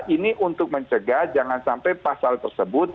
ini untuk mencegah jangan sampai pasal tersebut